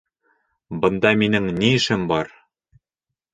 Бында минең ни эшем бар?